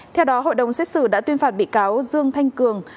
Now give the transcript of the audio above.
theo đó hội đồng xét xử đã tuyên phạt bị cáo dương thanh cường